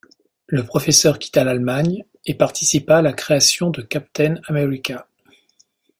Le professeur quitta l'Allemagne et participa à la création de Captain America.